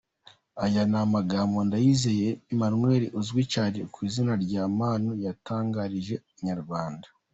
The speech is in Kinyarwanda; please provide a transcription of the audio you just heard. Aya ni amagambo Ndayizeye Emmanuel uzwi cyane ku izina rya Manu yatangarije inyarwanda.